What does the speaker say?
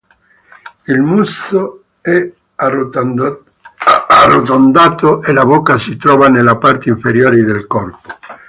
Il muso è arrotondato e la bocca si trova nella parte inferiore del corpo.